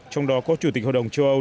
trong đó có chủ tịch hội đồng châu âu